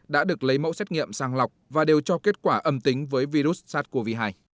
đã được lấy mẫu xét nghiệm sang lọc và đều cho kết quả âm tính với virus sars cov hai